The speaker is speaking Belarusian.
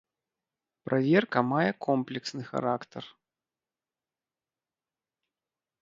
Праверка мае комплексны характар.